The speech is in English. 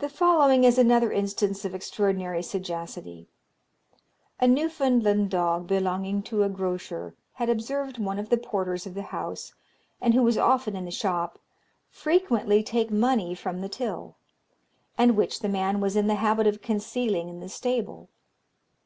The following is another instance of extraordinary sagacity. A Newfoundland dog, belonging to a grocer, had observed one of the porters of the house, and who was often in the shop, frequently take money from the till, and which the man was in the habit of concealing in the stable.